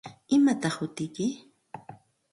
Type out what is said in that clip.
¿Imataq hutiyki?